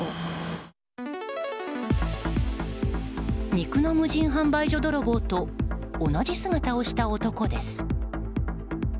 肉の無人販売所泥棒と同じ姿をした男です。